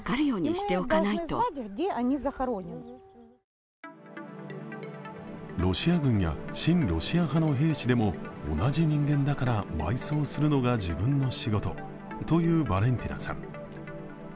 別の一角にはロシア軍や親ロシア派の兵士でも同じ人間だから埋葬するのが自分の仕事というヴァレンティナさん。